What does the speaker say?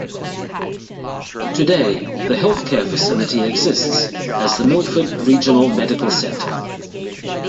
Today, the health care facility exists as the Milford Regional Medical Center.